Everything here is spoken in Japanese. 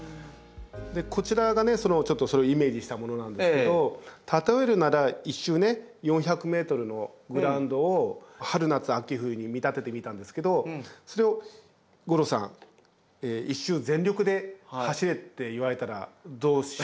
こちらがちょっとそれをイメージしたものなんですけど例えるなら１周４００ｍのグラウンドを春夏秋冬に見立ててみたんですけどそれを吾郎さん１周全力で走れって言われたらどうしますか？